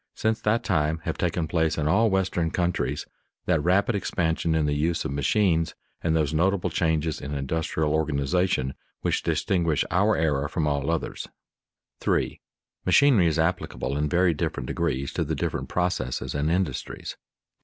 Since that time, have taken place in all Western countries that rapid expansion in the use of machines and those notable changes in industrial organization which distinguish our era from all others. [Sidenote: Increased use of power] 3. _Machinery is applicable in very different degrees to the different processes and industries.